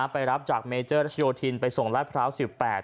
ไปรับจากเมเจอร์รัชโยธินไปส่งราชพร้าว๑๘